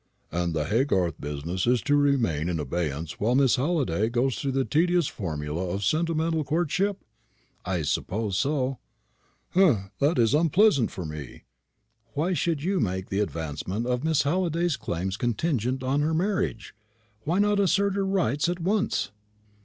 "And the Haygarth business is to remain in abeyance while Miss Halliday goes through the tedious formula of a sentimental courtship?" "I suppose so." "Humph! that's pleasant for me." "Why should you make the advancement of Miss Halliday's claims contingent on her marriage? Why not assert her rights at once?"